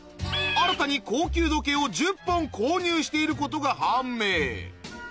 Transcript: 新たに高級時計を１０本購入していることが判明